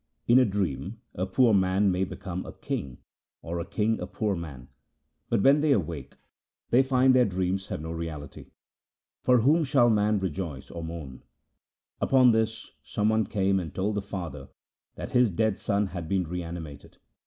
In a dream a poor man may become a king or a king a poor man, but when they awake they find their dreams have no reality. For whom shall man rejoice or mourn ?" Upon this some one came and told the father that his dead son had been re animated.